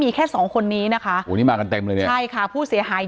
อ๋อเจ้าสีสุข่าวของสิ้นพอได้ด้วย